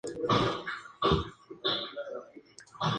A Ibarra aún le queda bastante de lo que tuvo y es medio Racing.